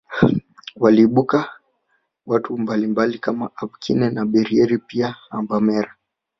Waliibuka watu mbalimbali kama abakine na abarieri pia abamera